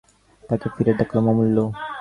তাকে ফিরে ডাকলুম, অমূল্য!